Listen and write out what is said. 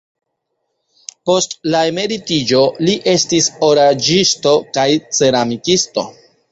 Post la emeritiĝo li estis oraĵisto kaj ceramikisto.